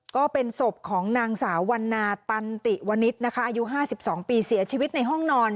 ก็เป็นศพของนางสาววันนาตันติวณิตนะคะอายุ๕๒ปีเสียชีวิตในห้องนอน